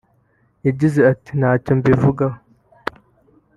yagize ati ″ Ntacyo mbivugaho